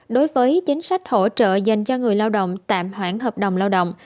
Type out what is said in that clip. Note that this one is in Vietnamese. đối với chính sách hỗ trợ dành cho người lao động tạm hoãn hợp đồng lao động